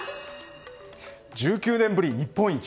１９年ぶり日本一！